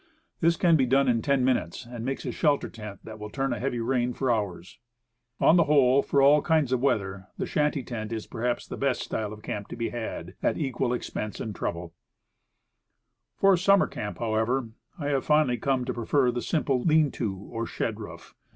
This can be done in ten minutes, and makes a shelter tent that will turn a heavy rain for hours. On the whole, for all kinds of weather, the shanty tent is perhaps the best style of camp to be had at equal expense and trouble. The cost of it is about $1.25. For a summer camp, however, I have finally come to prefer the simple lean to or shed roof.